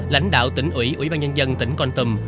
lãnh đạo tỉnh ủy ủy ban nhân dân tỉnh con tầm